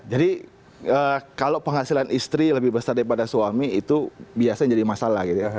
jadi kalau penghasilan istri lebih besar daripada suami itu biasanya jadi masalah gitu ya